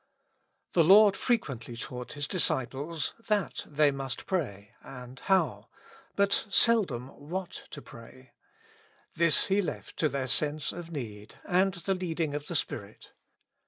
THE Lord frequently taught His disciples that they must pray, and how ; but seldom what to pray. This He left to their sense of need, and the leading of the Spirit.